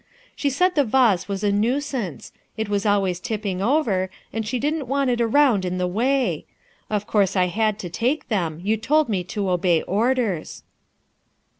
She said the vase was a nuisance; it was always tipping over and she didn't want it around in the way. Of course I had to take them; y ou told me to obey orders."